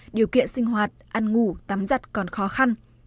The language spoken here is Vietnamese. điều kiện sinh hoạt ăn ngủ tắm giặt còn khó khăn